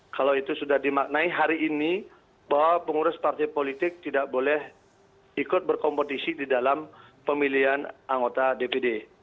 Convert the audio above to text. kalau itu sudah dimaknai hari ini bahwa pengurus partai politik tidak boleh ikut berkompetisi di dalam pemilihan anggota dpd